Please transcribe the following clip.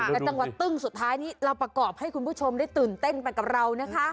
แต่จังหวะตึ้งสุดท้ายนี้เราประกอบให้คุณผู้ชมได้ตื่นเต้นไปกับเรานะคะ